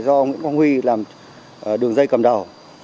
do nguyễn quang huy làm đường dây cầm đầu